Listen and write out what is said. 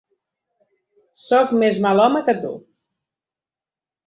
Soc més mal home que tu.